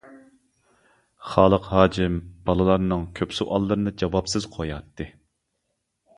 خالىق ھاجىم بالىلارنىڭ كۆپ سوئاللىرىنى جاۋابسىز قوياتتى.